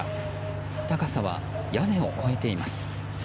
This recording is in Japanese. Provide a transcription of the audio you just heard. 高さは屋根を越えています。